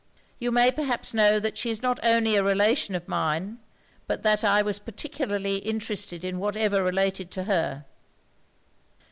You may perhaps know that she is not only a relation of mine, but that I was particularly interested in whatever related to her.'